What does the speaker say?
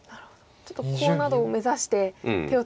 ちょっとコウなどを目指して手をつけていくような。